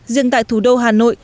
riêng tại thủ đô hà nội